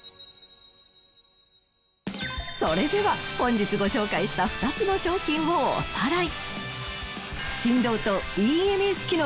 それでは本日ご紹介した２つの商品をおさらい。